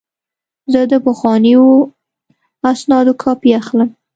زه د پخوانیو اسنادو کاپي اخلم.